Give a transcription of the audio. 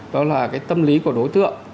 đó là tâm lý của đối tượng